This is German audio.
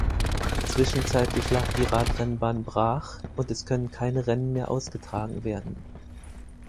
Zwischenzeitlich lag die Radrennbahn brach und es können keine Rennen mehr ausgetragen werden.